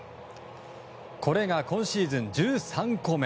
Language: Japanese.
これが今シーズン１３個目。